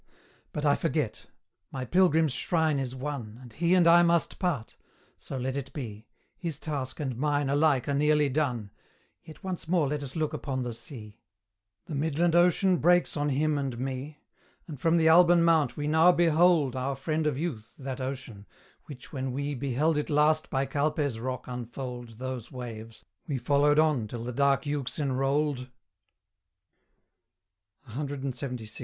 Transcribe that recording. But I forget. My pilgrim's shrine is won, And he and I must part, so let it be, His task and mine alike are nearly done; Yet once more let us look upon the sea: The midland ocean breaks on him and me, And from the Alban mount we now behold Our friend of youth, that ocean, which when we Beheld it last by Calpe's rock unfold Those waves, we followed on till the dark Euxine rolled CLXXVI.